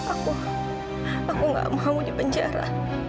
aku aku gak mau di penjara